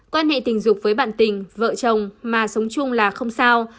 quan hệ tình dục với bạn tình vợ chồng mà sống chung là không sao